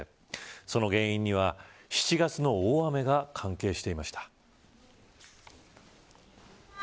その原因には、７月の大雨が関係していました。